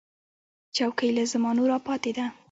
چوکۍ له زمانو راپاتې ده.